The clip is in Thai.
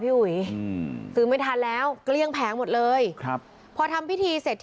อุ๋ยอืมซื้อไม่ทันแล้วเกลี้ยงแผงหมดเลยครับพอทำพิธีเสร็จ